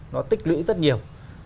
nó tích lưỡi rất nhiều